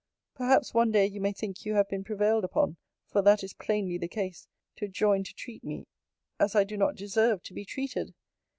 Perhaps one day you may think you have been prevailed upon (for that is plainly the case!) to join to treat me as I do not deserve to be treated.